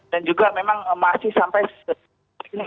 dan juga memang masih sampai